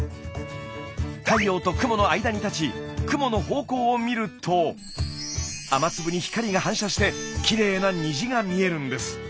太陽と雲の間に立ち雲の方向を見ると雨粒に光が反射してきれいな虹が見えるんです。